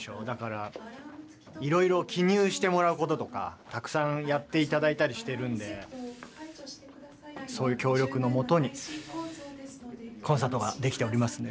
だからいろいろ記入してもらうこととかたくさんやって頂いたりしてるんでそういう協力のもとにコンサートができておりますんでね。